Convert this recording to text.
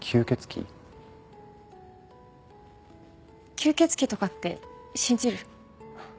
吸血鬼とかって信じる？